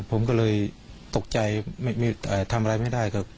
ผมก็เลยตกใจทำอะไรไม่ได้ครับ